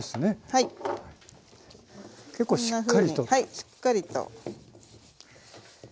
しっかりと。